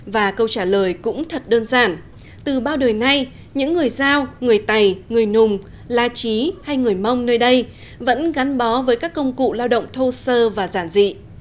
và câu trả lời cũng thật đơn giản từ bao đời nay những người giao người tày người nùng la trí hay người mông nơi đây vẫn gắn bó với các công cụ lao động thô sơ và giản dị